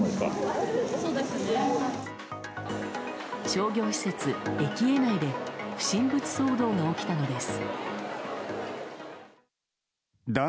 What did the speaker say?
商業施設エキエ内で不審物騒動が起きたのです。